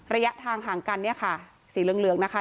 ระยะทางห่างกันเนี่ยค่ะสีเหลืองนะคะ